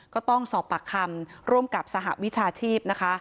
ก็ต้องสอบปากคำร่วมกับสหวิชาชีพนะคะ